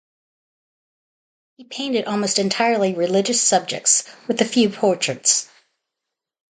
He painted almost entirely religious subjects, with a few portraits.